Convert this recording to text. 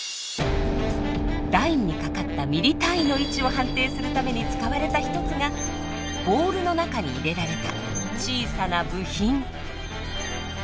ラインにかかったミリ単位の位置を判定するために使われた一つがボールの中に入れられた小さな部品。